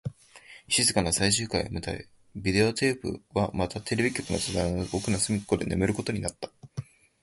静かな最終回を迎え、ビデオテープはまたテレビ局の戸棚の奥の隅っこで眠ることになった